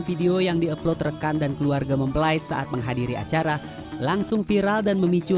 video yang di upload rekan dan keluarga mempelai saat menghadiri acara langsung viral dan memicu